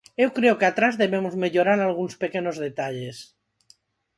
Eu creo que atrás debemos mellorar algúns pequenos detalles.